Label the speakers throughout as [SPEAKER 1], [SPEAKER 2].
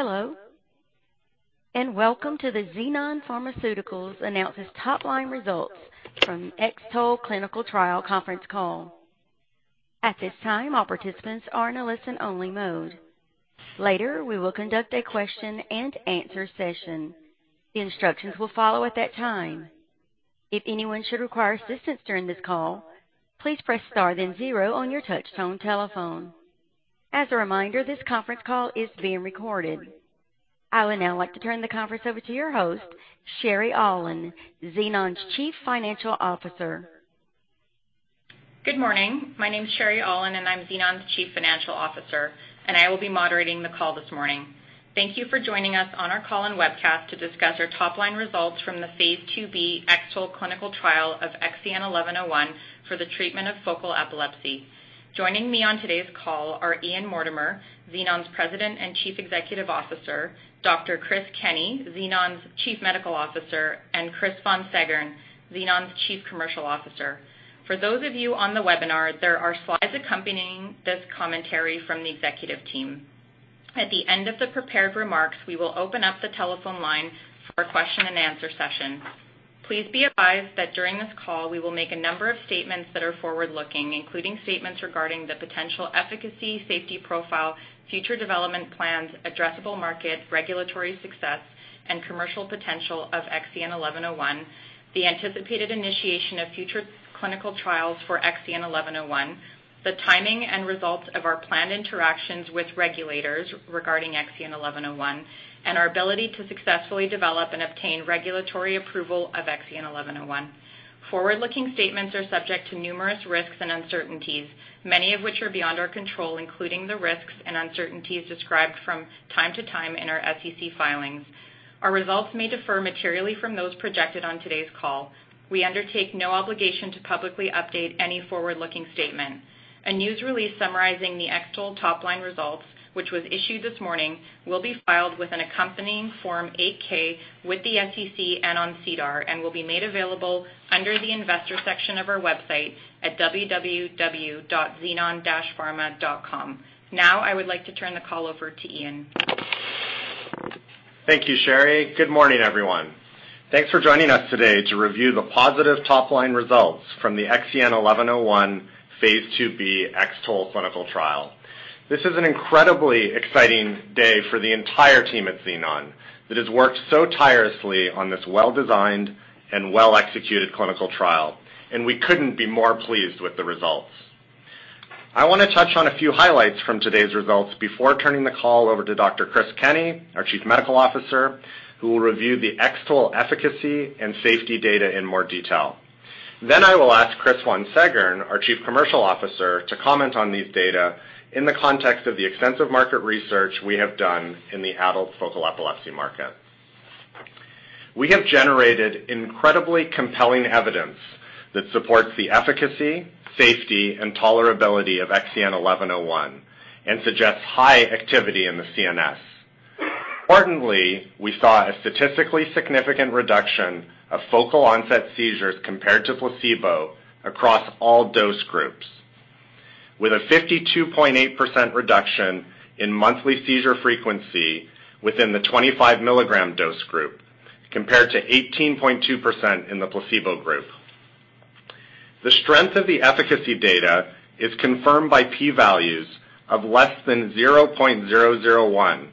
[SPEAKER 1] Hello, and welcome to the Xenon Pharmaceuticals Announces Top-Line Results From X-TOLE Clinical Trial Conference Call. At this time, all participants are in a listen-only mode. Later, we will conduct a question and answer session. The instructions will follow at that time. If anyone should require assistance during this call, please press star then zero on your touchtone telephone. As a reminder, this conference call is being recorded. I would now like to turn the conference over to your host, Sherry Aulin, Xenon's Chief Financial Officer.
[SPEAKER 2] Good morning. My name is Sherry Aulin, I'm Xenon's Chief Financial Officer, and I will be moderating the call this morning. Thank you for joining us on our call and webcast to discuss our top-line results from the phase II-B X-TOLE clinical trial of XEN1101 for the treatment of focal epilepsy. Joining me on today's call are Ian Mortimer, Xenon's President and Chief Executive Officer, Dr. Chris Kenney, Xenon's Chief Medical Officer, and Chris Von Seggern, Xenon's Chief Commercial Officer. For those of you on the webinar, there are slides accompanying this commentary from the executive team. At the end of the prepared remarks, we will open up the telephone lines for a question and answer session. Please be advised that during this call, we will make a number of statements that are forward-looking, including statements regarding the potential efficacy, safety profile, future development plans, addressable market, regulatory success, and commercial potential of XEN1101, the anticipated initiation of future clinical trials for XEN1101, the timing and results of our planned interactions with regulators regarding XEN1101, and our ability to successfully develop and obtain regulatory approval of XEN1101. Forward-looking statements are subject to numerous risks and uncertainties, many of which are beyond our control, including the risks and uncertainties described from time to time in our SEC filings. Our results may differ materially from those projected on today's call. We undertake no obligation to publicly update any forward-looking statement. A news release summarizing the X-TOLE top-line results, which was issued this morning, will be filed with an accompanying Form 8-K with the SEC and on SEDAR and will be made available under the investor section of our website at www.xenon-pharma.com. Now, I would like to turn the call over to Ian.
[SPEAKER 3] Thank you, Sherry. Good morning, everyone. Thanks for joining us today to review the positive top-line results from the XEN1101 phase II-B X-TOLE clinical trial. This is an incredibly exciting day for the entire team at Xenon that has worked so tirelessly on this well-designed and well-executed clinical trial, and we couldn't be more pleased with the results. I want to touch on a few highlights from today's results before turning the call over to Dr. Chris Kenney, our Chief Medical Officer, who will review the X-TOLE efficacy and safety data in more detail. I will ask Chris Von Seggern, our Chief Commercial Officer, to comment on these data in the context of the extensive market research we have done in the adult focal epilepsy market. We have generated incredibly compelling evidence that supports the efficacy, safety, and tolerability of XEN1101 and suggests high activity in the CNS. Importantly, we saw a statistically significant reduction of focal onset seizures compared to placebo across all dose groups, with a 52.8% reduction in monthly seizure frequency within the 25 mg dose group, compared to 18.2% in the placebo group. The strength of the efficacy data is confirmed by P values of less than 0.001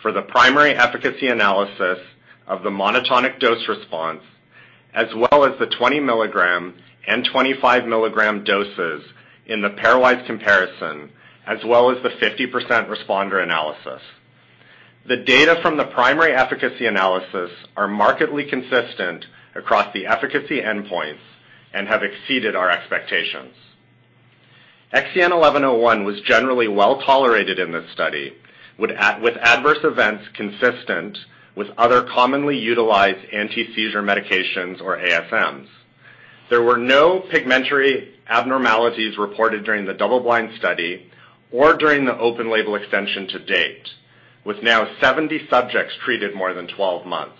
[SPEAKER 3] for the primary efficacy analysis of the monotonic dose response, as well as the 20 mg and 25 mg doses in the pairwise comparison, as well as the 50% responder analysis. The data from the primary efficacy analysis are markedly consistent across the efficacy endpoints and have exceeded our expectations. XEN1101 was generally well-tolerated in this study with adverse events consistent with other commonly utilized anti-seizure medications or ASMs. There were no pigmentary abnormalities reported during the double-blind study or during the open-label extension to date, with now 70 subjects treated more than 12 months.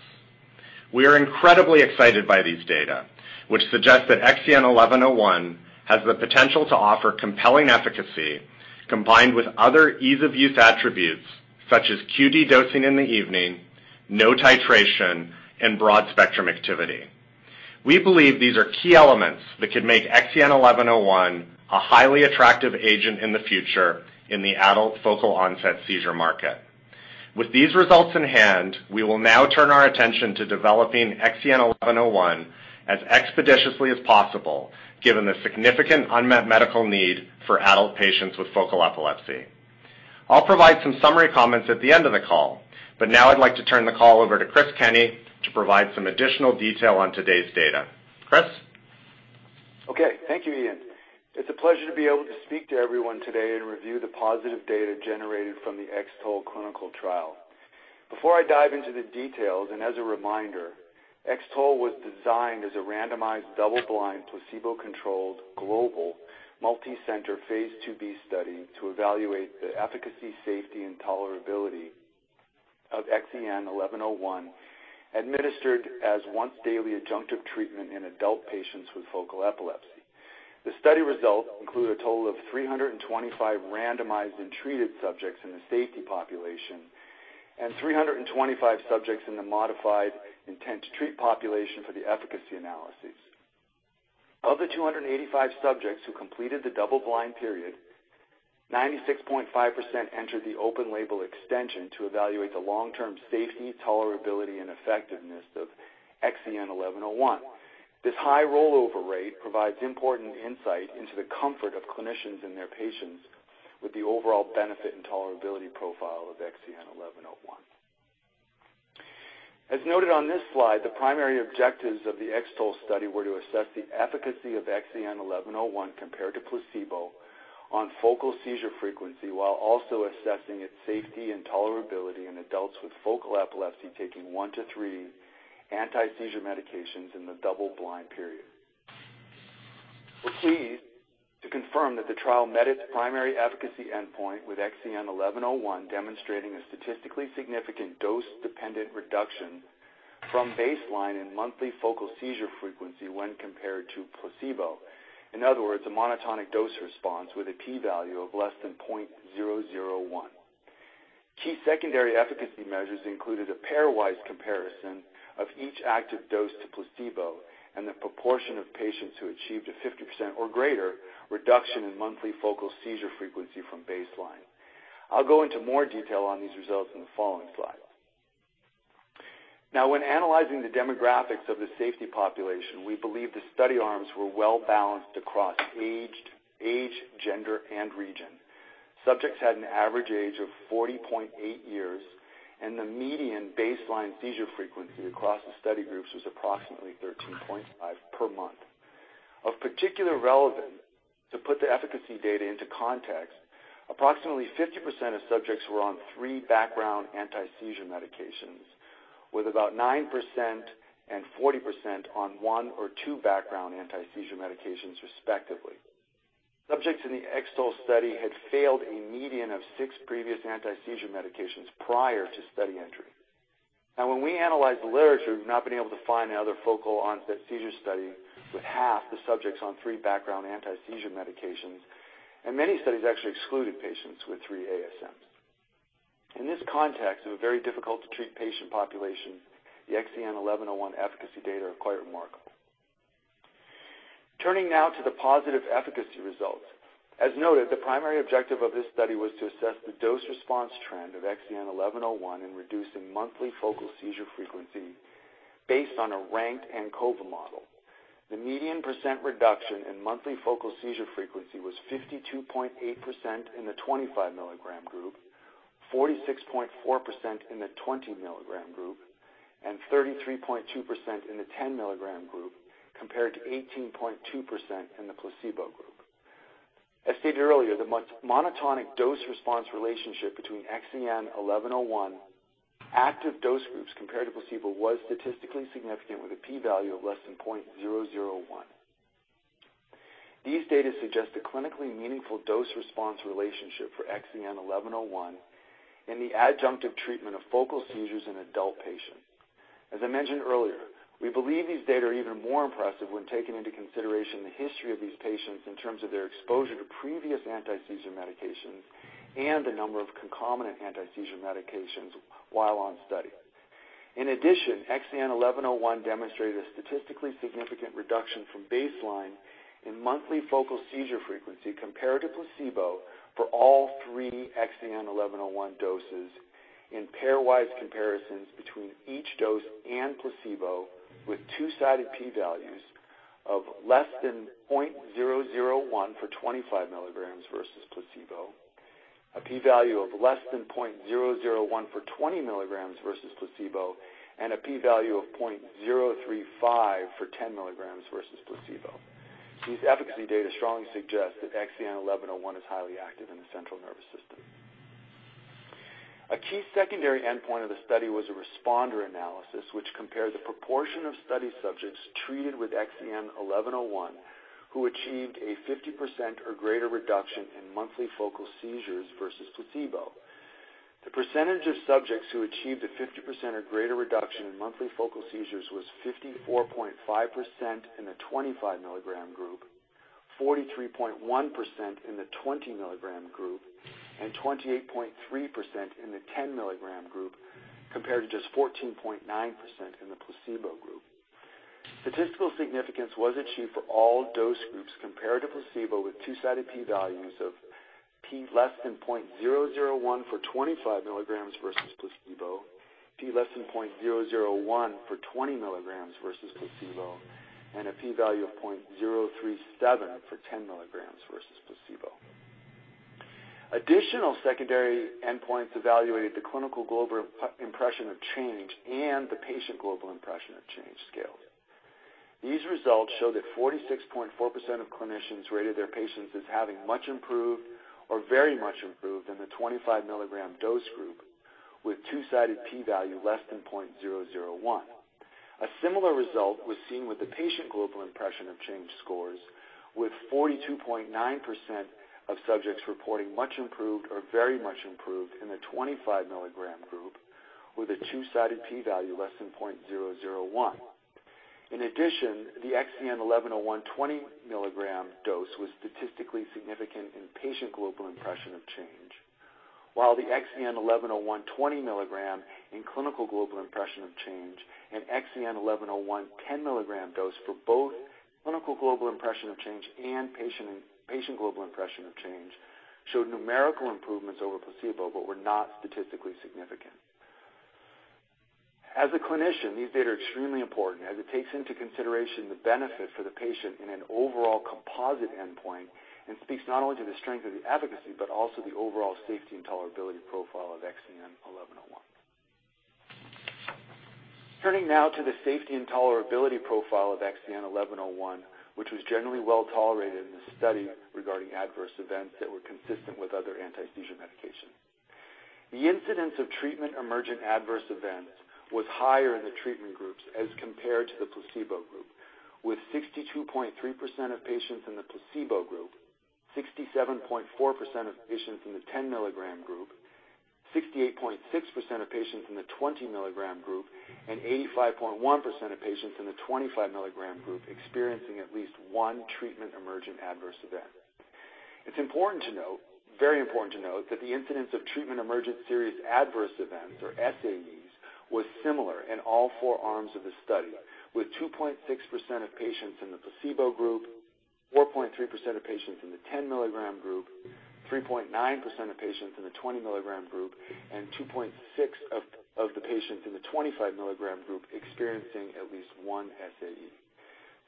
[SPEAKER 3] We are incredibly excited by these data, which suggest that XEN1101 has the potential to offer compelling efficacy, combined with other ease-of-use attributes such as QD dosing in the evening, no titration, and broad-spectrum activity. We believe these are key elements that could make XEN1101 a highly attractive agent in the future in the adult focal onset seizure market. With these results in hand, we will now turn our attention to developing XEN1101 as expeditiously as possible, given the significant unmet medical need for adult patients with focal epilepsy. I'll provide some summary comments at the end of the call, but now I'd like to turn the call over to Chris Kenney to provide some additional detail on today's data. Chris?
[SPEAKER 4] Okay. Thank you, Ian. It's a pleasure to be able to speak to everyone today and review the positive data generated from the X-TOLE clinical trial. Before I dive into the details, and as a reminder, X-TOLE was designed as a randomized, double-blind, placebo-controlled, global, multi-center, Phase II-B study to evaluate the efficacy, safety, and tolerability of XEN1101 administered as once-daily adjunctive treatment in adult patients with focal epilepsy. The study results include a total of 325 randomized and treated subjects in the safety population and 325 subjects in the modified intent-to-treat population for the efficacy analyses. Of the 285 subjects who completed the double-blind period, 96.5% entered the open-label extension to evaluate the long-term safety, tolerability, and effectiveness of XEN1101. This high rollover rate provides important insight into the comfort of clinicians and their patients with the overall benefit and tolerability profile of XEN1101. As noted on this slide, the primary objectives of the X-TOLE study were to assess the efficacy of XEN1101 compared to placebo on focal seizure frequency, while also assessing its safety and tolerability in adults with focal epilepsy taking one to three anti-seizure medications in the double-blind period. We're pleased to confirm that the trial met its primary efficacy endpoint, with XEN1101 demonstrating a statistically significant dose-dependent reduction from baseline in monthly focal seizure frequency when compared to placebo. In other words, a monotonic dose response with a P value of less than 0.001. Key secondary efficacy measures included a pairwise comparison of each active dose to placebo and the proportion of patients who achieved a 50% or greater reduction in monthly focal seizure frequency from baseline. I'll go into more detail on these results in the following slide. When analyzing the demographics of the safety population, we believe the study arms were well-balanced across age, gender, and region. Subjects had an average age of 40.8 years, and the median baseline seizure frequency across the study groups was approximately 13.5 per month. Of particular relevance, to put the efficacy data into context, approximately 50% of subjects were on three background anti-seizure medications, with about 9% and 40% on one or two background anti-seizure medications, respectively. Subjects in the X-TOLE study had failed a median of six previous anti-seizure medications prior to study entry. When we analyzed the literature, we've not been able to find another focal onset seizure study with half the subjects on three background anti-seizure medications, and many studies actually excluded patients with three ASMs. In this context of a very difficult-to-treat patient population, the XEN1101 efficacy data are quite remarkable. Turning now to the positive efficacy results. As noted, the primary objective of this study was to assess the dose-response trend of XEN1101 in reducing monthly focal seizure frequency based on a ranked ANCOVA model. The median percent reduction in monthly focal seizure frequency was 52.8% in the 25 mg group, 46.4% in the 20 mg group, and 33.2% in the 10 mg group, compared to 18.2% in the placebo group. As stated earlier, the monotonic dose-response relationship between XEN1101 active dose groups compared to placebo was statistically significant, with a P value of less than 0.001. These data suggest a clinically meaningful dose-response relationship for XEN1101 in the adjunctive treatment of focal seizures in adult patients. As I mentioned earlier, we believe these data are even more impressive when taking into consideration the history of these patients in terms of their exposure to previous anti-seizure medications and the number of concomitant anti-seizure medications while on study. In addition, XEN1101 demonstrated a statistically significant reduction from baseline in monthly focal seizure frequency compared to placebo for all three XEN1101 doses in pairwise comparisons between each dose and placebo, with two-sided P values of less than 0.001 for 25 mg versus placebo, a P value of less than 0.001 for 20 mg versus placebo, and a P value of 0.035 for 10 mg versus placebo. These efficacy data strongly suggest that XEN1101 is highly active in the central nervous system. A key secondary endpoint of the study was a responder analysis, which compared the proportion of study subjects treated with XEN1101 who achieved a 50% or greater reduction in monthly focal seizures versus placebo. The percentage of subjects who achieved a 50% or greater reduction in monthly focal seizures was 54.5% in the 25 mg group, 43.1% in the 20 mg group, and 28.3% in the 10 mg group, compared to just 14.9% in the placebo group. Statistical significance was achieved for all dose groups compared to placebo, with two-sided P values of P less than 0.001 for 25 mg versus placebo, P less than 0.001 for 20 mg versus placebo, and a P value of 0.037 for 10 mg versus placebo. Additional secondary endpoints evaluated the Clinical Global Impression of Change and the Patient Global Impression of Change scales. These results show that 46.4% of clinicians rated their patients as having much improved or very much improved in the 25 mg dose group, with two-sided P value less than 0.001. A similar result was seen with the Patient Global Impression of Change scores, with 42.9% of subjects reporting much improved or very much improved in the 25 mg group. With a two-sided P value less than 0.001. In addition, the XEN1101 20 mg dose was statistically significant in Patient Global Impression of Change, while the XEN1101 20 mg in Clinical Global Impression of Change and XEN1101 10 mg dose for both Clinical Global Impression of Change and Patient Global Impression of Change showed numerical improvements over placebo but were not statistically significant. As a clinician, these data are extremely important as it takes into consideration the benefit for the patient in an overall composite endpoint and speaks not only to the strength of the efficacy but also the overall safety and tolerability profile of XEN1101. Turning now to the safety and tolerability profile of XEN1101, which was generally well-tolerated in the study regarding adverse events that were consistent with other anti-seizure medications. The incidence of Treatment-Emergent Adverse Events was higher in the treatment groups as compared to the placebo group, with 62.3% of patients in the placebo group, 67.4% of patients in the 10 mg group, 68.6% of patients in the 20 mg group, and 85.1% of patients in the 25 mg group experiencing at least one Treatment-Emergent Adverse Event. It's very important to note that the incidence of treatment emergent serious adverse events, or SAEs, was similar in all four arms of the study, with 2.6% of patients in the placebo group, 4.3% of patients in the 10 mg group, 3.9% of patients in the 20 mg group, and 2.6% of the patients in the 25 mg group experiencing at least one SAE.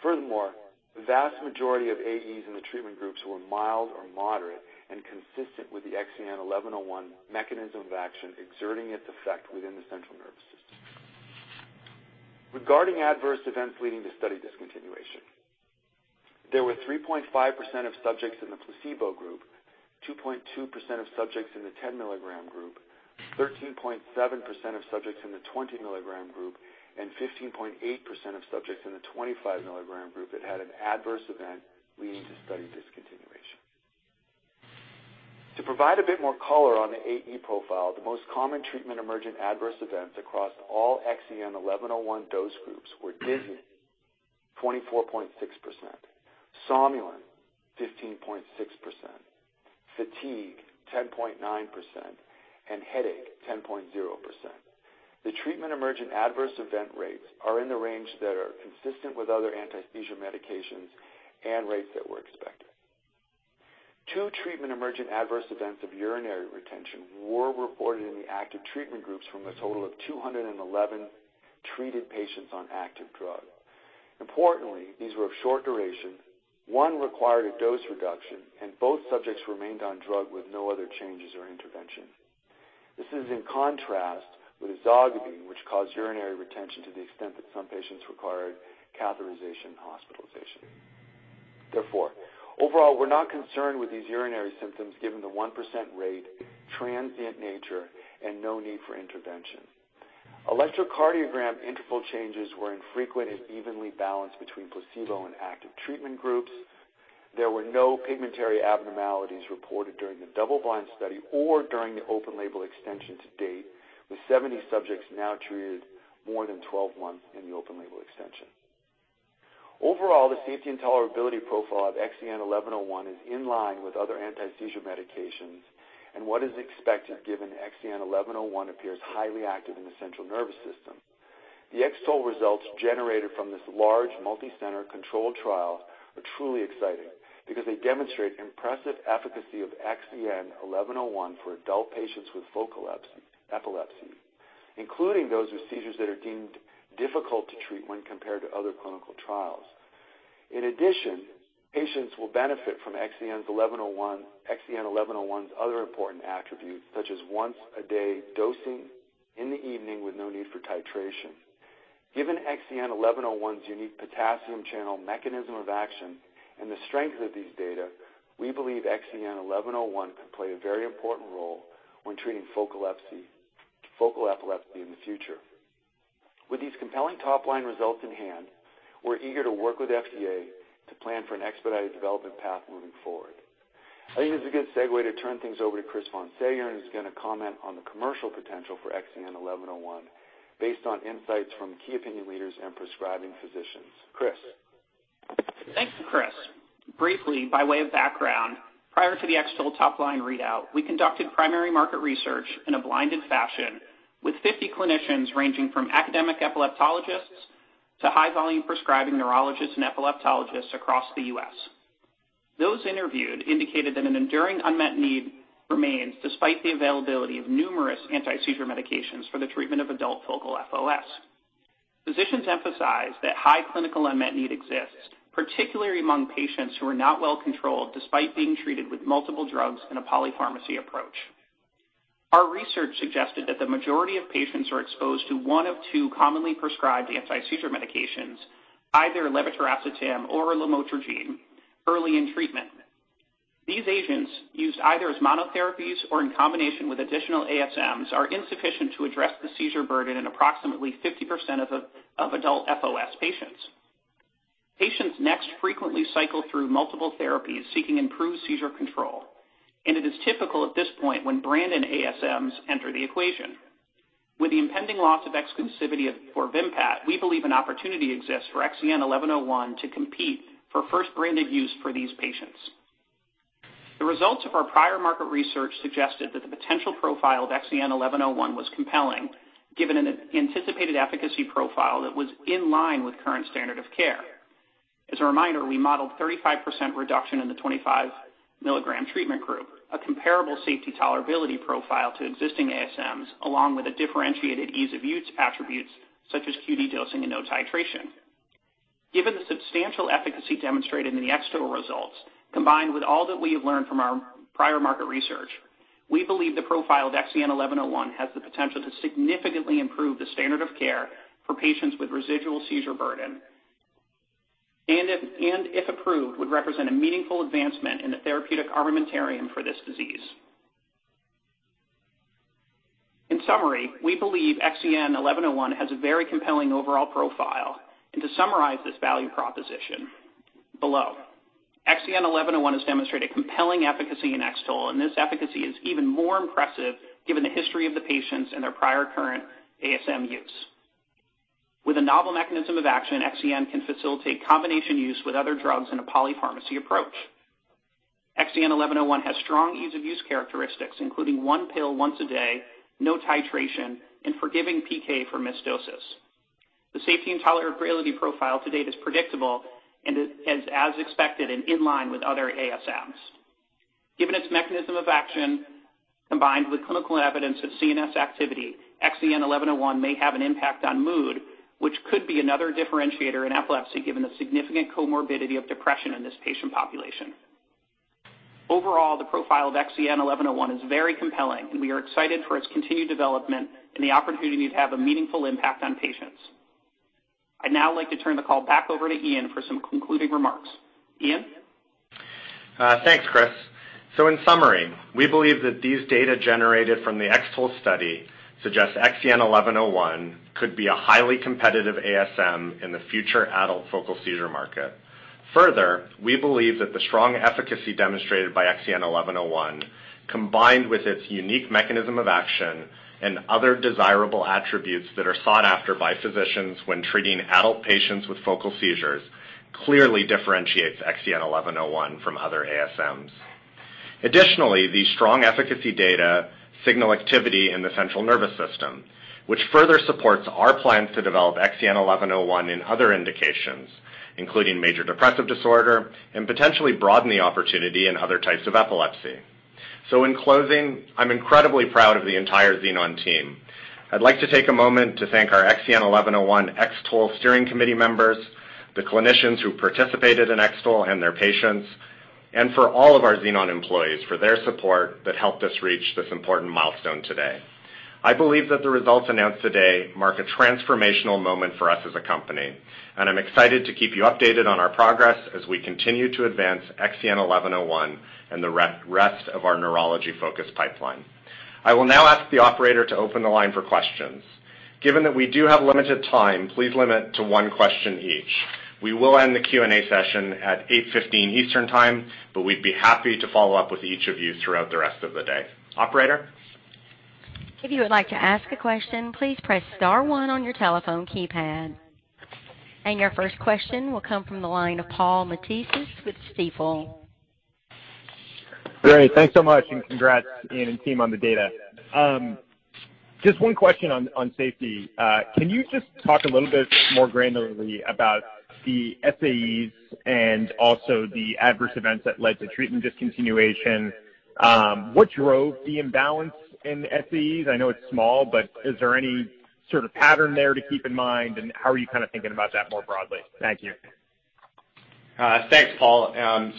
[SPEAKER 4] Furthermore, the vast majority of AEs in the treatment groups were mild or moderate and consistent with the XEN1101 mechanism of action exerting its effect within the central nervous system. Regarding adverse events leading to study discontinuation, there were 3.5% of subjects in the placebo group, 2.2% of subjects in the 10 mg group, 13.7% of subjects in the 20 mg group, and 15.8% of subjects in the 25 mg group that had an adverse event leading to study discontinuation. To provide a bit more color on the AE profile, the most common treatment-emergent adverse events across all XEN1101 dose groups were dizziness, 24.6%, somnolence, 15.6%, fatigue, 10.9%, and headache, 10.0%. The treatment-emergent adverse event rates are in the range that are consistent with other anti-seizure medications and rates that were expected. Two treatment-emergent adverse events of urinary retention were reported in the active treatment groups from a total of 211 treated patients on active drug. Importantly, these were of short duration. One required a dose reduction, and both subjects remained on drug with no other changes or intervention. This is in contrast with ezogabine, which caused urinary retention to the extent that some patients required catheterization and hospitalization. Therefore, overall, we're not concerned with these urinary symptoms given the 1% rate, transient nature, and no need for intervention. Electrocardiogram interval changes were infrequent and evenly balanced between placebo and active treatment groups. There were no pigmentary abnormalities reported during the double-blind study or during the open label extension to date, with 70 subjects now treated more than 12 months in the open label extension. Overall, the safety and tolerability profile of XEN1101 is in line with other anti-seizure medications and what is expected given XEN1101 appears highly active in the central nervous system. The X-TOLE results generated from this large, multi-center controlled trial are truly exciting because they demonstrate impressive efficacy of XEN1101 for adult patients with focal epilepsy, including those with seizures that are deemed difficult to treat when compared to other clinical trials. In addition, patients will benefit from XEN1101's other important attributes, such as once-a-day dosing in the evening with no need for titration. Given XEN1101's unique potassium channel mechanism of action and the strength of these data, we believe XEN1101 could play a very important role when treating focal epilepsy in the future. With these compelling top-line results in hand, we're eager to work with FDA to plan for an expedited development path moving forward. I think this is a good segue to turn things over to Chris Von Seggern, who's going to comment on the commercial potential for XEN1101 based on insights from key opinion leaders and prescribing physicians. Chris?
[SPEAKER 5] Thanks, Chris. Briefly, by way of background, prior to the X-TOLE top-line readout, we conducted primary market research in a blinded fashion with 50 clinicians ranging from academic epileptologists to high-volume prescribing neurologists and epileptologists across the U.S. Those interviewed indicated that an enduring unmet need remains despite the availability of numerous anti-seizure medications for the treatment of adult focal FOS. Physicians emphasize that high clinical unmet need exists, particularly among patients who are not well-controlled despite being treated with multiple drugs in a polypharmacy approach. Our research suggested that the majority of patients are exposed to one of two commonly prescribed anti-seizure medications, either levetiracetam or lamotrigine, early in treatment. These agents, used either as monotherapies or in combination with additional ASMs, are insufficient to address the seizure burden in approximately 50% of adult FOS patients. Patients next frequently cycle through multiple therapies seeking improved seizure control, and it is typical at this point when branded ASMs enter the equation. With the impending loss of exclusivity for VIMPAT, we believe an opportunity exists for XEN1101 to compete for first branded use for these patients. The results of our prior market research suggested that the potential profile of XEN1101 was compelling, given an anticipated efficacy profile that was in line with current standard of care. As a reminder, we modeled 35% reduction in the 25 mg treatment group, a comparable safety tolerability profile to existing ASMs, along with a differentiated ease of use attributes such as QD dosing and no titration. Given the substantial efficacy demonstrated in the X-TOLE results, combined with all that we have learned from our prior market research, we believe the profile of XEN1101 has the potential to significantly improve the standard of care for patients with residual seizure burden, and if approved, would represent a meaningful advancement in the therapeutic armamentarium for this disease. In summary, we believe XEN1101 has a very compelling overall profile. To summarize this value proposition below. XEN1101 has demonstrated compelling efficacy in X-TOLE, and this efficacy is even more impressive given the history of the patients and their prior current ASM use. With a novel mechanism of action, XEN can facilitate combination use with other drugs in a polypharmacy approach. XEN1101 has strong ease of use characteristics, including one pill once a day, no titration, and forgiving PK for missed doses. The safety and tolerability profile to date is predictable and is as expected and in line with other ASMs. Given its mechanism of action combined with clinical evidence of CNS activity, XEN1101 may have an impact on mood, which could be another differentiator in epilepsy given the significant comorbidity of depression in this patient population. Overall, the profile of XEN1101 is very compelling, and we are excited for its continued development and the opportunity to have a meaningful impact on patients. I'd now like to turn the call back over to Ian for some concluding remarks. Ian?
[SPEAKER 3] Thanks, Chris. In summary, we believe that these data generated from the X-TOLE study suggest XEN1101 could be a highly competitive ASM in the future adult focal seizure market. We believe that the strong efficacy demonstrated by XEN1101, combined with its unique mechanism of action and other desirable attributes that are sought after by physicians when treating adult patients with focal seizures, clearly differentiates XEN1101 from other ASMs. Additionally, the strong efficacy data signal activity in the central nervous system, which further supports our plans to develop XEN1101 in other indications, including major depressive disorder and potentially broaden the opportunity in other types of epilepsy. In closing, I'm incredibly proud of the entire Xenon team. I'd like to take a moment to thank our XEN1101 X-TOLE steering committee members, the clinicians who participated in X-TOLE and their patients, and for all of our Xenon employees for their support that helped us reach this important milestone today. I believe that the results announced today mark a transformational moment for us as a company, and I'm excited to keep you updated on our progress as we continue to advance XEN1101 and the rest of our neurology-focused pipeline. I will now ask the operator to open the line for questions. Given that we do have limited time, please limit to one question each. We will end the Q&A session at 8:15 Eastern Time, but we'd be happy to follow up with each of you throughout the rest of the day. Operator?
[SPEAKER 1] If you would like to ask a question, please press star one on your telephone keypad. Your first question will come from the line of Paul Matteis with Stifel.
[SPEAKER 6] Great. Thanks so much, congrats, Ian and team, on the data. Just one question on safety. Can you just talk a little bit more granularly about the SAEs and also the adverse events that led to treatment discontinuation? What drove the imbalance in SAEs? I know it's small, is there any sort of pattern there to keep in mind? How are you thinking about that more broadly? Thank you.
[SPEAKER 3] Thanks, Paul.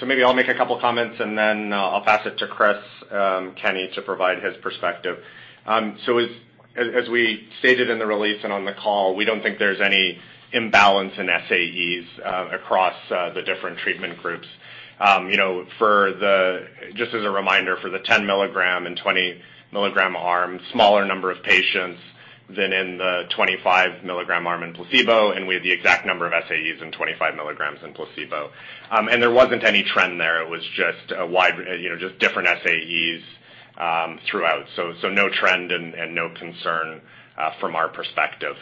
[SPEAKER 3] Maybe I'll make a couple comments and then I'll pass it to Chris Kenney to provide his perspective. As we stated in the release and on the call, we don't think there's any imbalance in SAEs across the different treatment groups. Just as a reminder, for the 10 mg and 20 mg arms, smaller number of patients than in the 25 mg arm in placebo, and we have the exact number of SAEs in 25 mg in placebo. There wasn't any trend there. It was just different SAEs throughout. No trend and no concern from our perspective.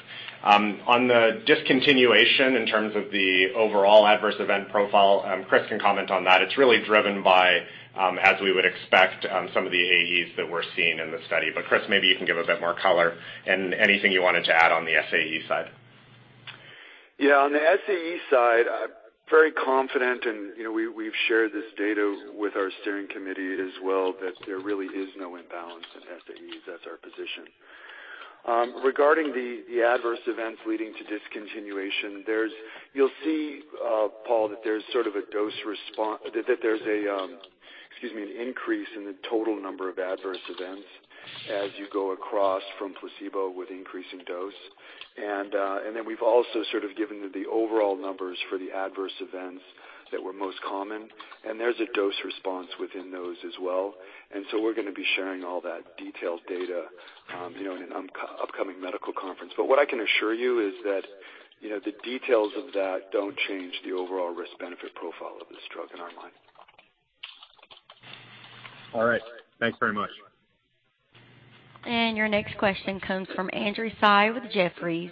[SPEAKER 3] On the discontinuation in terms of the overall adverse event profile, Chris can comment on that. It's really driven by, as we would expect, some of the AEs that we're seeing in the study. Chris, maybe you can give a bit more color and anything you wanted to add on the SAE side.
[SPEAKER 4] Yeah, on the SAE side, I'm very confident, and we've shared this data with our steering committee as well, that there really is no imbalance in SAEs. That's our position. Regarding the adverse events leading to discontinuation, you'll see, Paul, that there's sort of a dose response. That there's an increase in the total number of adverse events as you go across from placebo with increasing dose. We've also sort of given the overall numbers for the adverse events that were most common, and there's a dose response within those as well. We're going to be sharing all that detailed data in an upcoming medical conference. What I can assure you is that the details of that don't change the overall risk-benefit profile of this drug in our mind.
[SPEAKER 6] All right. Thanks very much.
[SPEAKER 1] Your next question comes from Andrew Tsai with Jefferies.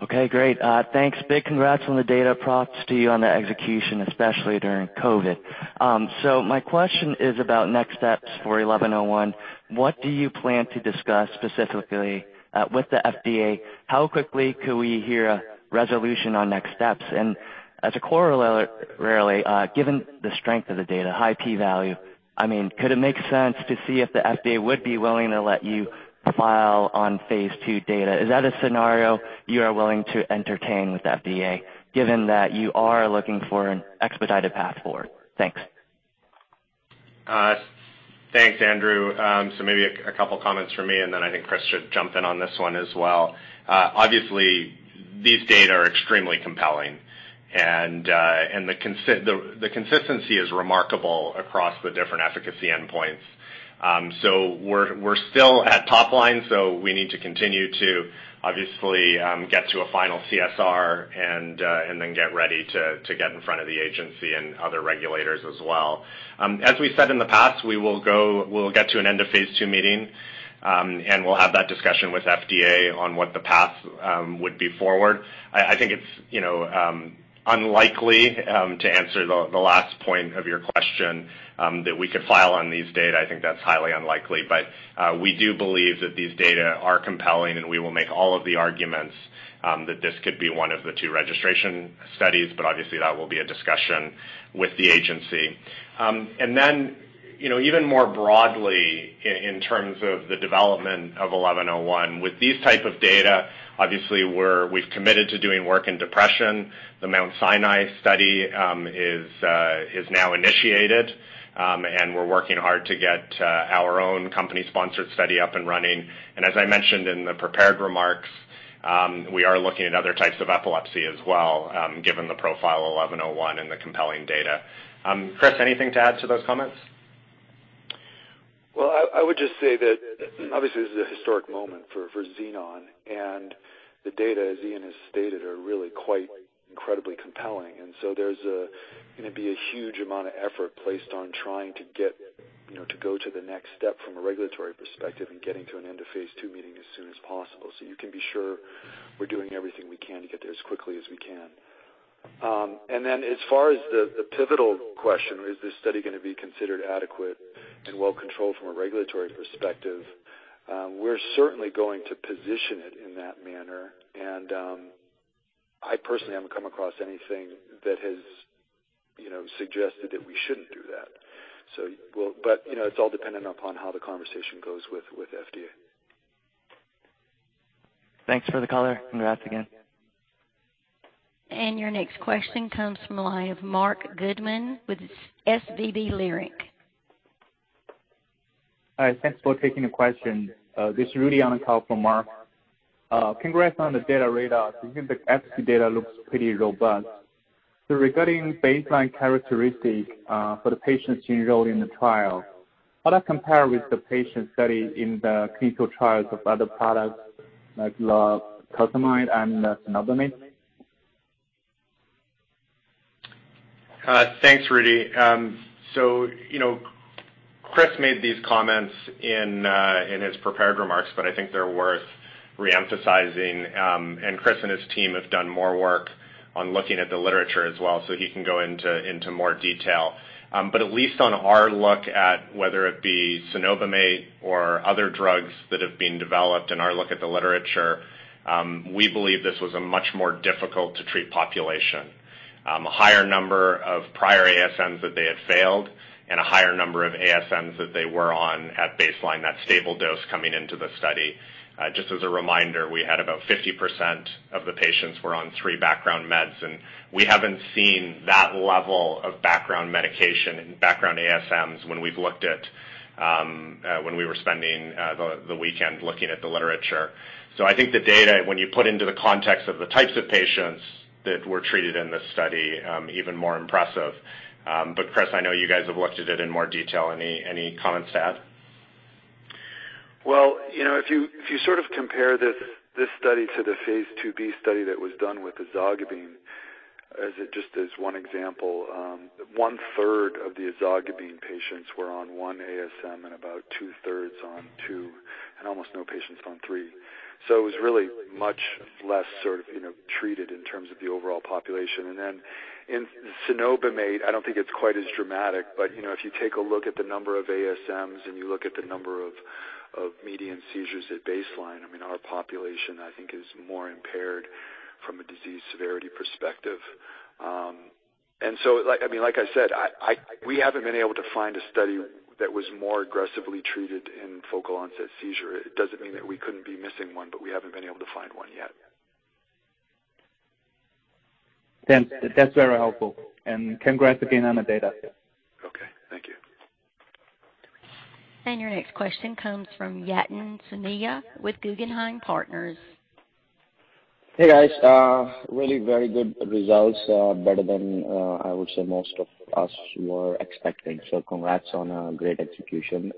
[SPEAKER 7] Okay, great. Thanks. Big congrats on the data. Props to you on the execution, especially during COVID. My question is about next steps for XEN1101. What do you plan to discuss specifically with the FDA? How quickly could we hear a resolution on next steps? As a corollary, given the strength of the data, high P-value, could it make sense to see if the FDA would be willing to let you file on phase II data? Is that a scenario you are willing to entertain with FDA, given that you are looking for an expedited path forward? Thanks.
[SPEAKER 3] Thanks, Andrew. Maybe a couple comments from me, and then I think Chris should jump in on this one as well. Obviously, these data are extremely compelling, and the consistency is remarkable across the different efficacy endpoints. We're still at top line. We need to continue to obviously get to a final CSR and then get ready to get in front of the agency and other regulators as well. As we've said in the past, we'll get to an end of phase II meeting, and we'll have that discussion with FDA on what the path would be forward. I think it's unlikely, to answer the last point of your question, that we could file on these data. I think that's highly unlikely. We do believe that these data are compelling, and we will make all of the arguments that this could be one of the two registration studies. Obviously that will be a discussion with the agency. Then, even more broadly in terms of the development of XEN1101, with these type of data, obviously we've committed to doing work in depression. The Mount Sinai study is now initiated, and we're working hard to get our own company-sponsored study up and running. As I mentioned in the prepared remarks, we are looking at other types of epilepsy as well, given the profile of XEN1101 and the compelling data. Chris, anything to add to those comments?
[SPEAKER 4] I would just say that obviously this is a historic moment for Xenon and the data, as Ian has stated, are really quite incredibly compelling. There's going to be a huge amount of effort placed on trying to go to the next step from a regulatory perspective and getting to an end of phase II meeting as soon as possible. You can be sure we're doing everything we can to get there as quickly as we can. As far as the pivotal question, is this study going to be considered adequate and well controlled from a regulatory perspective? We're certainly going to position it in that manner. I personally haven't come across anything that has suggested that we shouldn't do that. It's all dependent upon how the conversation goes with FDA.
[SPEAKER 7] Thanks for the color. Congrats again.
[SPEAKER 1] Your next question comes from the line of Marc Goodman with SVB Leerink.
[SPEAKER 8] Hi. Thanks for taking the question. This is Rudy on the call from Marc. Congrats on the data readout. I think the efficacy data looks pretty robust. Regarding baseline characteristics for the patients you enrolled in the trial, how does that compare with the patient study in the clinical trials of other products like clobazam and cenobamate?
[SPEAKER 3] Thanks, Rudy. Chris made these comments in his prepared remarks, but I think they're worth re-emphasizing. Chris and his team have done more work on looking at the literature as well, so he can go into more detail. At least on our look at whether it be cenobamate or other drugs that have been developed in our look at the literature, we believe this was a much more difficult to treat population. A higher number of prior ASMs that they had failed and a higher number of ASMs that they were on at baseline, that stable dose coming into the study. Just as a reminder, we had about 50% of the patients were on three background meds, and we haven't seen that level of background medication and background ASMs when we were spending the weekend looking at the literature. I think the data, when you put into the context of the types of patients that were treated in this study, even more impressive. Chris, I know you guys have looked at it in more detail. Any comments to add?
[SPEAKER 4] Well, if you sort of compare this study to the phase II-B study that was done with ezogabine, just as one example, one-third of the ezogabine patients were on one ASM and about two-thirds on two, and almost no patients on three. It was really much less sort of treated in terms of the overall population. In cenobamate, I don't think it's quite as dramatic, but if you take a look at the number of ASMs and you look at the number of median seizures at baseline, our population, I think, is more impaired from a disease severity perspective. Like I said, we haven't been able to find a study that was more aggressively treated in focal onset seizure. It doesn't mean that we couldn't be missing one, but we haven't been able to find one yet.
[SPEAKER 8] Thnaks. That's very helpful. Congrats again on the data.
[SPEAKER 4] Okay. Thank you.
[SPEAKER 1] Your next question comes from Yatin Suneja with Guggenheim Partners.
[SPEAKER 9] Hey, guys. Really very good results. Better than I would say most of us were expecting. Congrats on a great execution.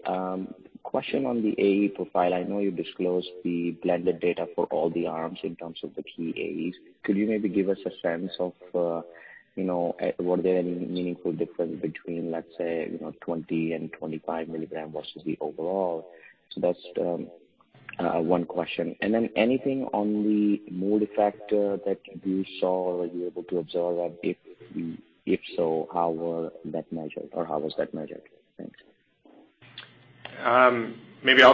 [SPEAKER 9] Question on the AE profile. I know you disclosed the blended data for all the arms in terms of the TEAEs. Could you maybe give us a sense of were there any meaningful difference between, let's say, 20 mg and 25 mg versus the overall? That's one question. Anything on the mood effect that you saw or you're able to observe? If so, how was that measured? Thanks.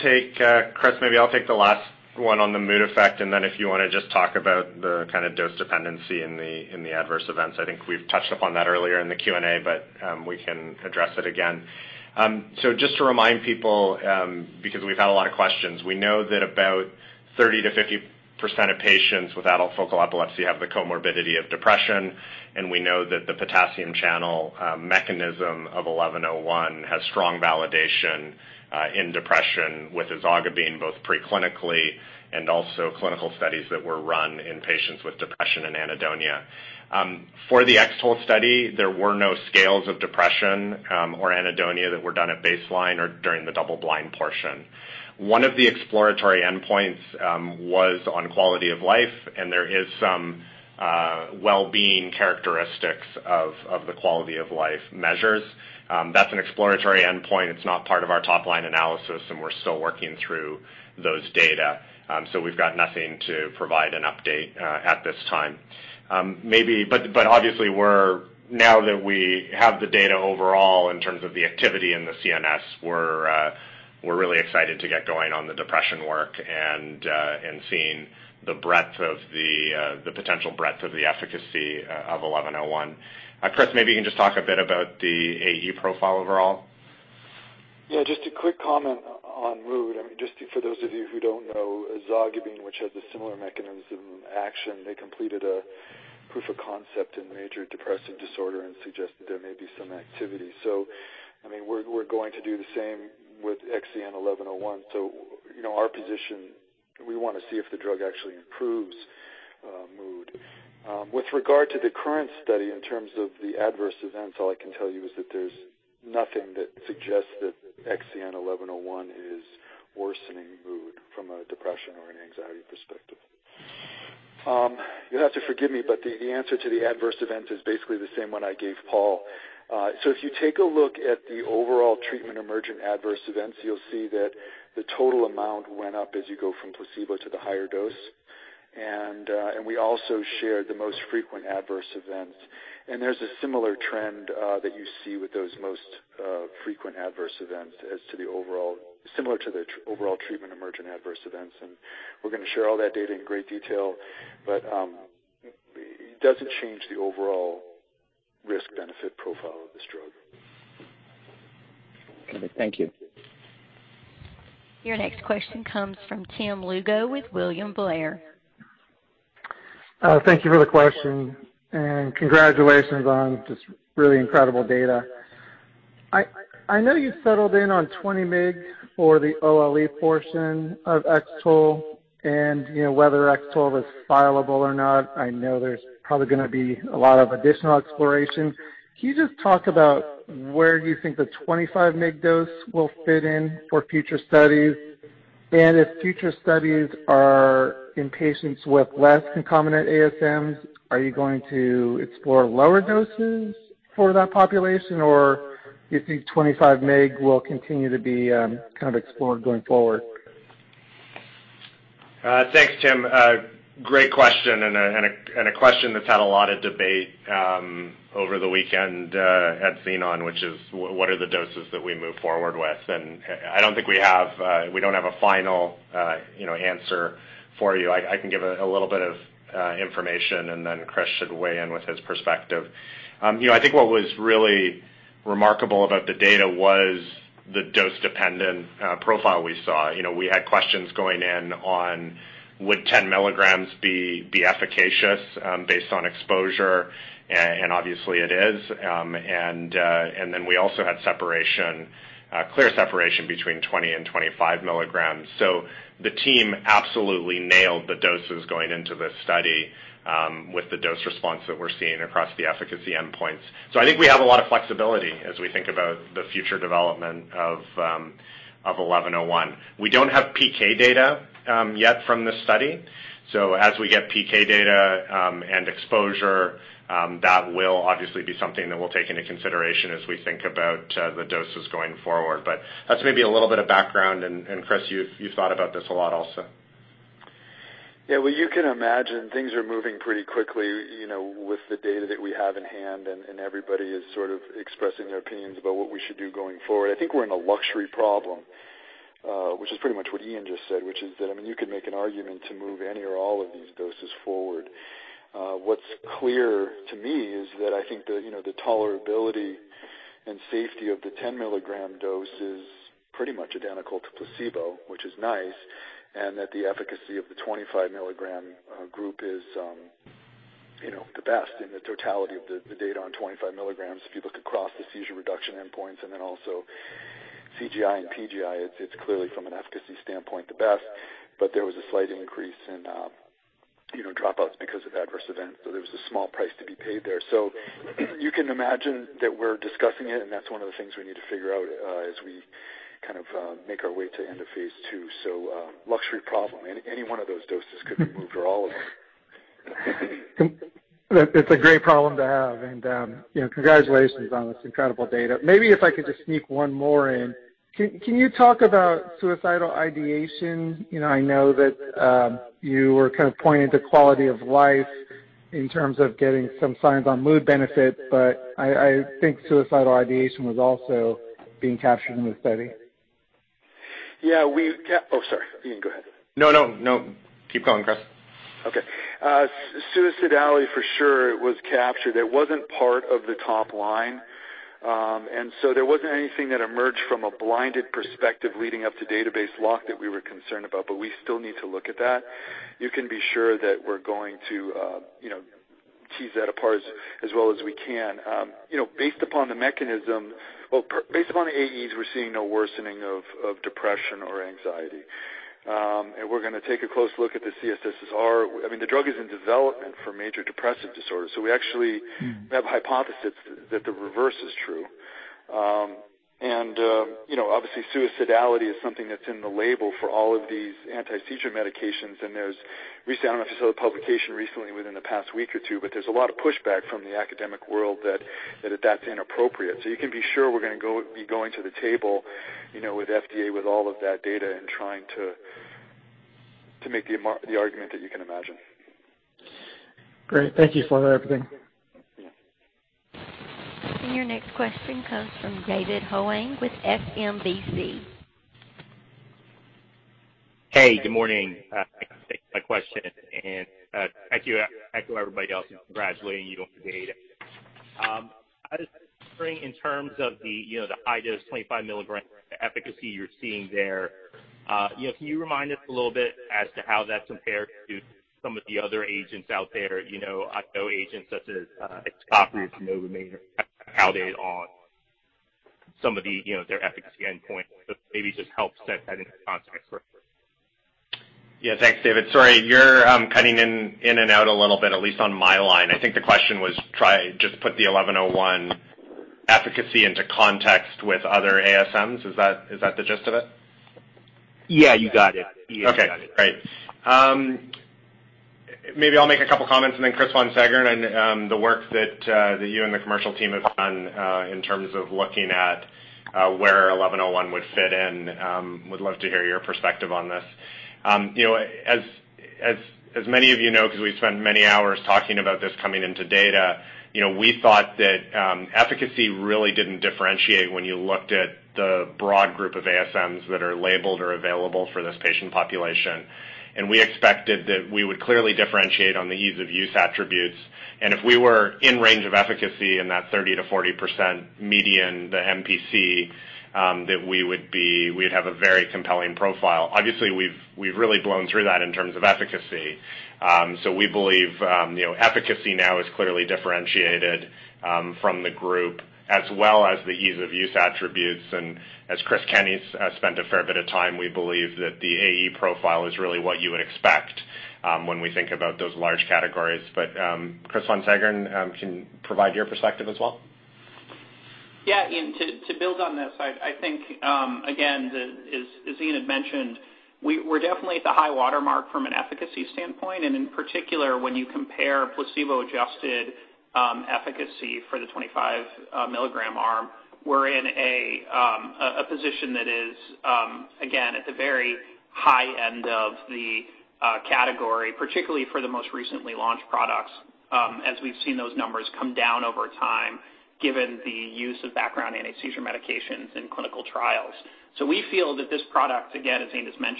[SPEAKER 3] Chris, maybe I'll take the last one on the mood effect, if you want to just talk about the kind of dose dependency in the adverse events. I think we've touched upon that earlier in the Q&A, we can address it again. Just to remind people, because we've had a lot of questions, we know that about 30%-50% of patients with adult focal epilepsy have the comorbidity of depression, and we know that the potassium channel mechanism of XEN1101 has strong validation in depression with ezogabine both preclinically and also clinical studies that were run in patients with depression and anhedonia. For the X-TOLE study, there were no scales of depression or anhedonia that were done at baseline or during the double-blind portion. One of the exploratory endpoints was on quality of life, there is some well-being characteristics of the quality of life measures. That's an exploratory endpoint. It's not part of our top-line analysis, we're still working through those data. We've got nothing to provide an update at this time. Obviously now that we have the data overall in terms of the activity in the CNS, we're really excited to get going on the depression work and seeing the potential breadth of the efficacy of XEN1101. Chris, maybe you can just talk a bit about the AE profile overall.
[SPEAKER 4] Yeah, just a quick comment on mood. Just for those of you who don't know, ezogabine, which has a similar mechanism action, they completed a proof of concept in major depressive disorder and suggested there may be some activity. We're going to do the same with XEN1101. Our position, we want to see if the drug actually improves mood. With regard to the current study, in terms of the adverse events, all I can tell you is that there's nothing that suggests that XEN1101 is worsening mood from a depression or an anxiety perspective. You'll have to forgive me, but the answer to the adverse event is basically the same one I gave Paul. If you take a look at the overall Treatment-Emergent Adverse Events, you'll see that the total amount went up as you go from placebo to the higher dose. We also shared the most frequent adverse events. There's a similar trend that you see with those most frequent adverse events similar to the overall treatment emergent adverse events. We're going to share all that data in great detail, but it doesn't change the overall risk-benefit profile of this drug.
[SPEAKER 9] Okay. Thank you.
[SPEAKER 1] Your next question comes from Tim Lugo with William Blair.
[SPEAKER 10] Thank you for the question and congratulations on just really incredible data. I know you settled in on 20 mg for the OLE portion of X-TOLE and whether X-TOLE was fileable or not. I know there's probably going to be a lot of additional exploration. Can you just talk about where you think the 25 mg dose will fit in for future studies? If future studies are in patients with less concomitant ASMs, are you going to explore lower doses for that population, or do you think 25 mg will continue to be kind of explored going forward?
[SPEAKER 3] Thanks, Tim. Great question. A question that's had a lot of debate over the weekend at Xenon, which is what are the doses that we move forward with? I don't think we don't have a final answer for you. I can give a little bit of information, and then Chris should weigh in with his perspective. I think what was really remarkable about the data was the dose-dependent profile we saw. We had questions going in on would 10 mg be efficacious based on exposure, and obviously it is. We also had clear separation between 20 mg and 25 mg. The team absolutely nailed the doses going into this study with the dose response that we're seeing across the efficacy endpoints. I think we have a lot of flexibility as we think about the future development of XEN1101. We don't have PK data yet from this study. As we get PK data and exposure, that will obviously be something that we'll take into consideration as we think about the doses going forward. That's maybe a little bit of background. Chris, you've thought about this a lot also.
[SPEAKER 4] Yeah. Well, you can imagine things are moving pretty quickly with the data that we have in hand, and everybody is sort of expressing their opinions about what we should do going forward. I think we're in a luxury problem which is pretty much what Ian just said, which is that you could make an argument to move any or all of these doses forward. What's clear to me is that I think the tolerability and safety of the 10 mg dose is pretty much identical to placebo, which is nice, and that the efficacy of the 25 mg group is the best in the totality of the data on 25 mg. If you look across the seizure reduction endpoints and then also CGI and PGI, it's clearly from an efficacy standpoint, the best. There was a slight increase in dropouts because of adverse events. There was a small price to be paid there. You can imagine that we're discussing it, and that's one of the things we need to figure out as we kind of make our way to end of phase II. Luxury problem. Any one of those doses could be moved or all of them.
[SPEAKER 10] It's a great problem to have and congratulations on this incredible data. Maybe if I could just sneak one more in. Can you talk about suicidal ideation? I know that you were kind of pointing to quality of life in terms of getting some signs on mood benefit, but I think suicidal ideation was also being captured in the study.
[SPEAKER 4] Yeah. Oh, sorry. Ian, go ahead.
[SPEAKER 3] No. Keep going, Chris.
[SPEAKER 4] Okay. Suicidality for sure was captured. It wasn't part of the top line. There wasn't anything that emerged from a blinded perspective leading up to database lock that we were concerned about, but we still need to look at that. You can be sure that we're going to tease that apart as well as we can. Based upon the AEs, we're seeing no worsening of depression or anxiety. We're going to take a close look at the C-SSRS. I mean, the drug is in development for major depressive disorder, so we actually have a hypothesis that the reverse is true. Obviously, suicidality is something that's in the label for all of these anti-seizure medications. I don't know if you saw the publication recently within the past week or two, but there's a lot of pushback from the academic world that that's inappropriate. You can be sure we're going to be going to the table with FDA with all of that data and trying to make the argument that you can imagine.
[SPEAKER 10] Great. Thank you for everything.
[SPEAKER 1] Your next question comes from David Hoang with SMBC.
[SPEAKER 11] Hey, good morning. Thanks for taking my question and echo everybody else in congratulating you on the data. I was just wondering in terms of the high dose 25 mg efficacy you're seeing there. Can you remind us a little bit as to how that's compared to some of the other agents out there? I know agents such as...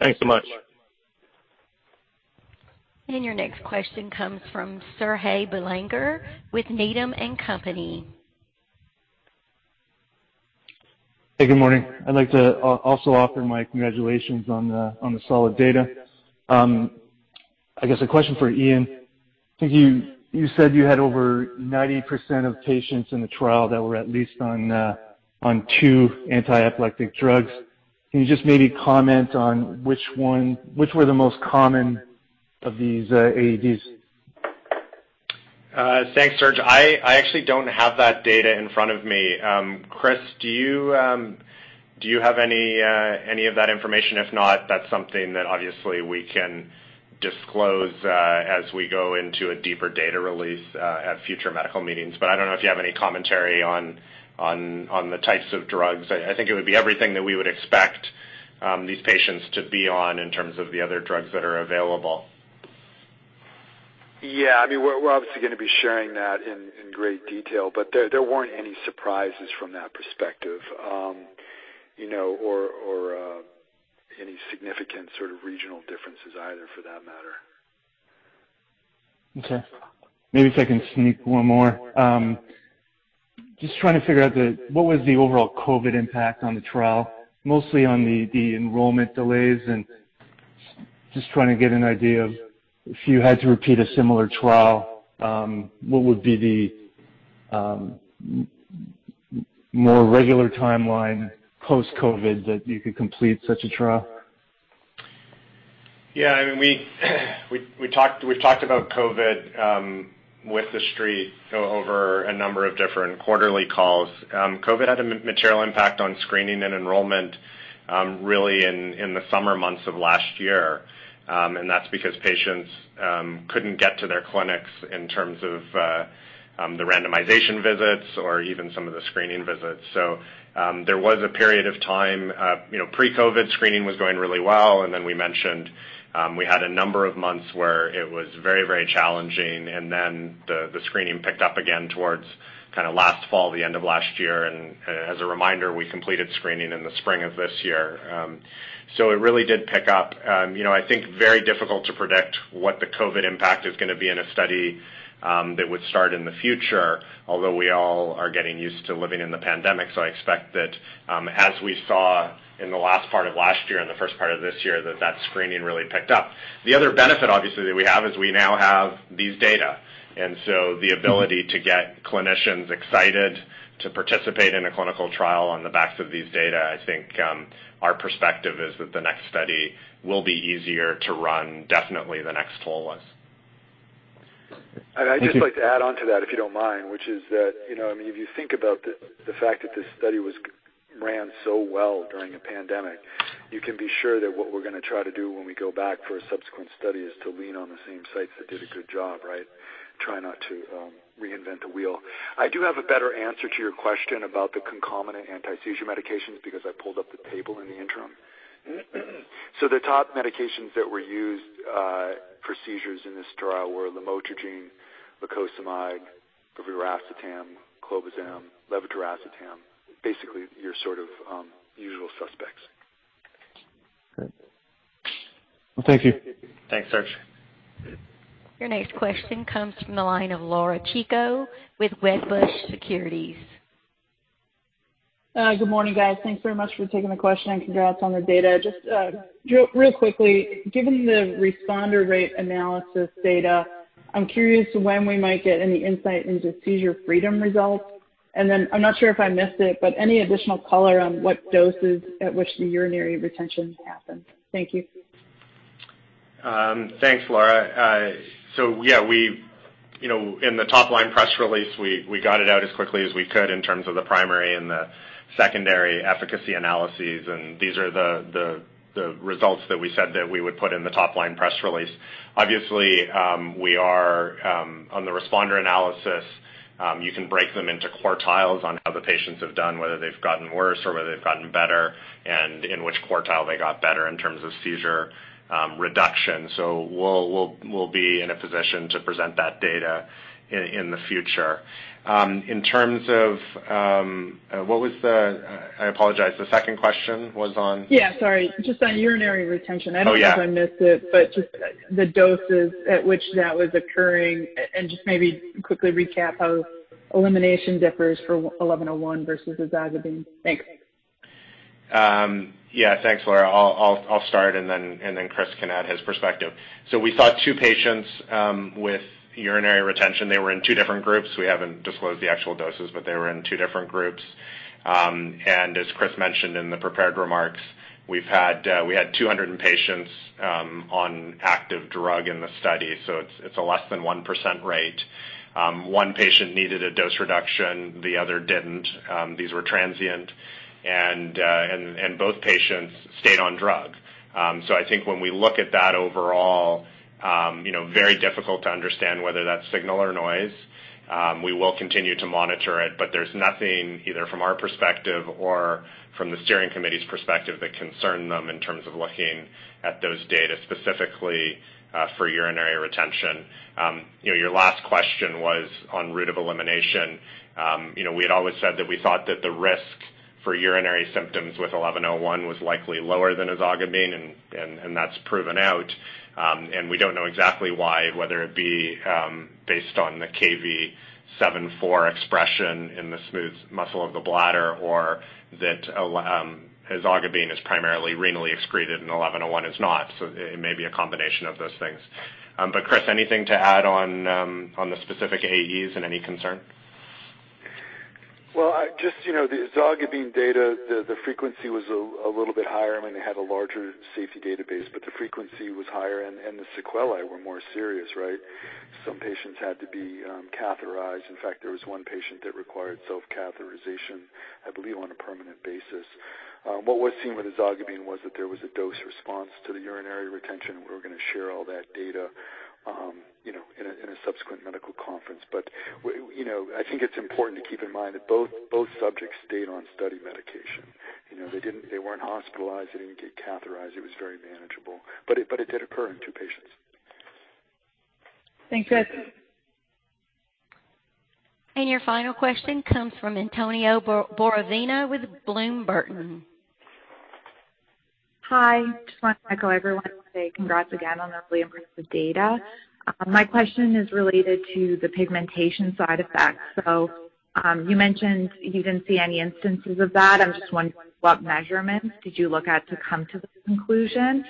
[SPEAKER 11] Thanks so much.
[SPEAKER 1] Your next question comes from Serge Belanger with Needham & Company.
[SPEAKER 12] Hey, good morning. I'd like to also offer my congratulations on the solid data. I guess a question for Ian. I think you said you had over 90% of patients in the trial that were at least on two anti-epileptic drugs. Can you just maybe comment on which were the most common of these AEDs?
[SPEAKER 3] Thanks, Serge. I actually don't have that data in front of me. Chris, do you have any of that information? If not, that's something that obviously we can disclose as we go into a deeper data release at future medical meetings. I don't know if you have any commentary on the types of drugs. I think it would be everything that we would expect these patients to be on in terms of the other drugs that are available.
[SPEAKER 4] Yeah. I mean, we're obviously going to be sharing that in great detail, but there weren't any surprises from that perspective, or any significant sort of regional differences either for that matter.
[SPEAKER 12] Okay. Maybe if I can sneak one more. Just trying to figure out what was the overall COVID impact on the trial, mostly on the enrollment delays and just trying to get an idea of if you had to repeat a similar trial, what would be the more regular timeline post-COVID that you could complete such a trial?
[SPEAKER 3] Yeah, we've talked about COVID with the street over a number of different quarterly calls. COVID had a material impact on screening and enrollment really in the summer months of last year. That's because patients couldn't get to their clinics in terms of the randomization visits or even some of the screening visits. There was a period of time, pre-COVID screening was going really well, then we mentioned we had a number of months where it was very challenging, then the screening picked up again towards last fall, the end of last year. As a reminder, we completed screening in the spring of this year. It really did pick up. I think very difficult to predict what the COVID impact is going to be in a study that would start in the future, although we all are getting used to living in the pandemic. I expect that as we saw in the last part of last year and the first part of this year, that that screening really picked up. The other benefit, obviously, that we have is we now have these data, and so the ability to get clinicians excited to participate in a clinical trial on the backs of these data, I think our perspective is that the next study will be easier to run, definitely the next X-TOLE was.
[SPEAKER 12] Thank you.
[SPEAKER 4] I'd just like to add on to that, if you don't mind, which is that, if you think about the fact that this study ran so well during a pandemic, you can be sure that what we're going to try to do when we go back for a subsequent study is to lean on the same sites that did a good job. Try not to reinvent the wheel. I do have a better answer to your question about the concomitant anti-seizure medications, because I pulled up the table in the interim. The top medications that were used for seizures in this trial were lamotrigine, lacosamide, brivaracetam, clobazam, levetiracetam. Basically, your sort of usual suspects.
[SPEAKER 12] Great. Well, thank you.
[SPEAKER 3] Thanks, Serge.
[SPEAKER 1] Your next question comes from the line of Laura Chico with Wedbush Securities.
[SPEAKER 13] Good morning, guys. Thanks very much for taking the question and congrats on the data. Just real quickly, given the responder rate analysis data, I'm curious when we might get any insight into seizure freedom results. I'm not sure if I missed it, but any additional color on what doses at which the urinary retention happened. Thank you.
[SPEAKER 3] Thanks, Laura. Yeah, in the top-line press release, we got it out as quickly as we could in terms of the primary and the secondary efficacy analyses, these are the results that we said that we would put in the top-line press release. Obviously, on the responder analysis, you can break them into quartiles on how the patients have done, whether they've gotten worse or whether they've gotten better, in which quartile they got better in terms of seizure reduction. We'll be in a position to present that data in the future. In terms of, I apologize, the second question was on...
[SPEAKER 13] Yeah, sorry. Just on urinary retention.
[SPEAKER 3] Oh, yeah.
[SPEAKER 13] I don't know if I missed it, but just the doses at which that was occurring and just maybe quickly recap how elimination differs for XEN1101 versus ezogabine. Thanks.
[SPEAKER 3] Yeah, thanks, Laura. I'll start and then Chris can add his perspective. We saw two patients with urinary retention. They were in two different groups. We haven't disclosed the actual doses, but they were in two different groups. As Chris mentioned in the prepared remarks, we had 200 patients on active drug in the study. It's a less than 1% rate. One patient needed a dose reduction, the other didn't. These were transient. Both patients stayed on drug. I think when we look at that overall, very difficult to understand whether that's signal or noise. We will continue to monitor it, but there's nothing either from our perspective or from the steering committee's perspective that concerned them in terms of looking at those data specifically for urinary retention. Your last question was on route of elimination. We had always said that we thought that the risk for urinary symptoms with XEN1101 was likely lower than ezogabine. That's proven out. We don't know exactly why, whether it be based on the Kv7.4 expression in the smooth muscle of the bladder or that ezogabine is primarily renally excreted and XEN1101 is not. It may be a combination of those things. Chris, anything to add on the specific AEs and any concern?
[SPEAKER 4] Well, just the ezogabine data, the frequency was a little bit higher. They had a larger safety database, the frequency was higher and the sequelae were more serious. Some patients had to be catheterized. In fact, there was one patient that required self-catheterization, I believe, on a permanent basis. What was seen with ezogabine was that there was a dose response to the urinary retention. We're going to share all that data in a subsequent medical conference. I think it's important to keep in mind that both subjects stayed on study medication. They weren't hospitalized. They didn't get catheterized. It was very manageable. It did occur in two patients.
[SPEAKER 13] Thanks, guys.
[SPEAKER 1] Your final question comes from Antonia Borovina with Bloom Burton.
[SPEAKER 14] Hi, just want to echo everyone and say congrats again on the really impressive data. My question is related to the pigmentation side effects. You mentioned you didn't see any instances of that. I'm just wondering what measurements did you look at to come to this conclusion?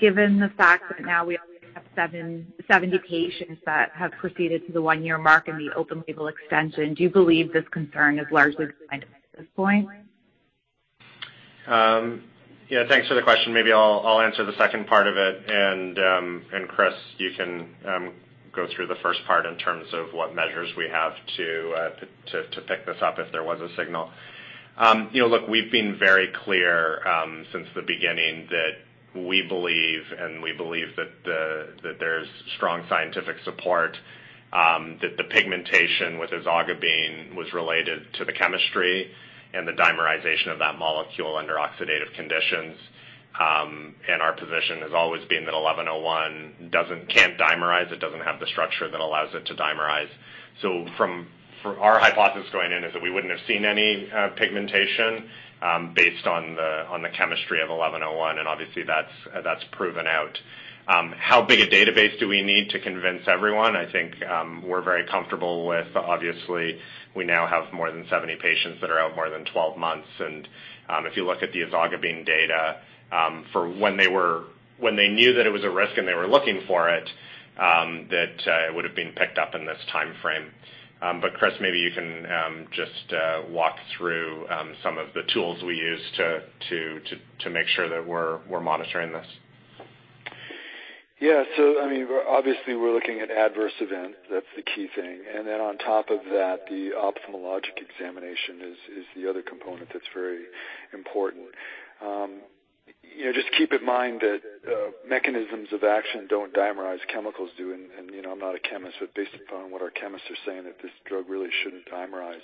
[SPEAKER 14] Given the fact that now we already have 70 patients that have proceeded to the one-year mark in the open label extension, do you believe this concern is largely behind us at this point?
[SPEAKER 3] Yeah, thanks for the question. Maybe I'll answer the second part of it, and Chris, you can go through the first part in terms of what measures we have to pick this up if there was a signal. Look, we've been very clear since the beginning that we believe, and we believe that there's strong scientific support that the pigmentation with ezogabine was related to the chemistry and the dimerization of that molecule under oxidative conditions. Our position has always been that XEN1101 can't dimerize. It doesn't have the structure that allows it to dimerize. Our hypothesis going in is that we wouldn't have seen any pigmentation based on the chemistry of XEN1101, and obviously, that's proven out. How big a database do we need to convince everyone? I think we're very comfortable with, obviously, we now have more than 70 patients that are out more than 12 months. If you look at the ezogabine data for when they knew that it was a risk and they were looking for it, that it would've been picked up in this timeframe. Chris, maybe you can just walk through some of the tools we use to make sure that we're monitoring this.
[SPEAKER 4] Yeah. Obviously we're looking at adverse events. That's the key thing. On top of that, the ophthalmologic examination is the other component that's very important. Just keep in mind that mechanisms of action don't dimerize, chemicals do. I'm not a chemist, but based upon what our chemists are saying, that this drug really shouldn't dimerize.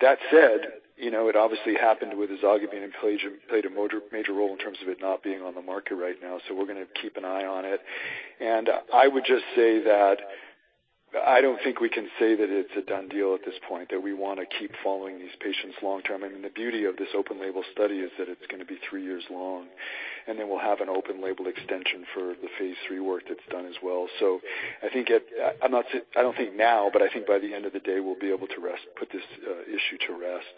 [SPEAKER 4] That said, it obviously happened with ezogabine and played a major role in terms of it not being on the market right now. We're going to keep an eye on it. I would just say that I don't think we can say that it's a done deal at this point, that we want to keep following these patients long-term. The beauty of this open label study is that it's going to be three years long, and then we'll have an open label extension for the phase III work that's done as well. I don't think now, but I think by the end of the day, we'll be able to put this issue to rest.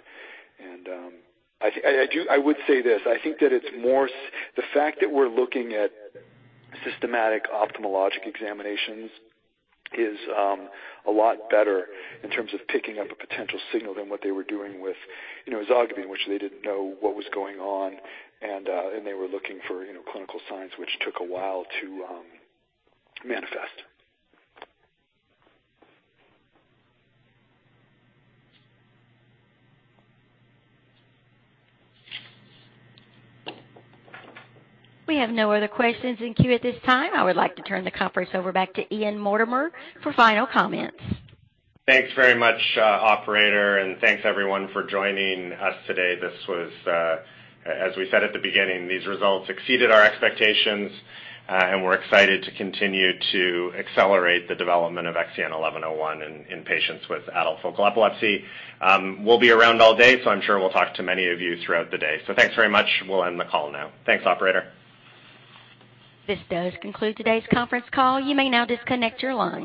[SPEAKER 4] I would say this, I think that the fact that we're looking at systematic ophthalmologic examinations is a lot better in terms of picking up a potential signal than what they were doing with ezogabine, which they didn't know what was going on, and they were looking for clinical signs which took a while to manifest.
[SPEAKER 1] We have no other questions in queue at this time. I would like to turn the conference over back to Ian Mortimer for final comments.
[SPEAKER 3] Thanks very much, Operator. Thanks everyone for joining us today. As we said at the beginning, these results exceeded our expectations. We're excited to continue to accelerate the development of XEN1101 in patients with adult focal epilepsy. We'll be around all day. I'm sure we'll talk to many of you throughout the day. Thanks very much. We'll end the call now. Thanks, operator.
[SPEAKER 1] This does conclude today's conference call. You may now disconnect your lines..